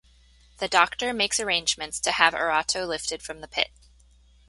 The Doctor makes arrangements to have Erato lifted from the Pit.